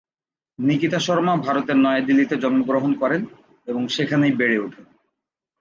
নিকিতা শর্মা ভারতের নয়াদিল্লিতে জন্মগ্রহণ করেন এবং সেখানেই বেড়ে উঠেন।